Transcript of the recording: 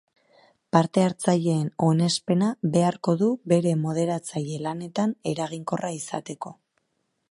Parte-hartzaileen onespena beharko du bere moderatzaile lanetan eraginkorra izateko.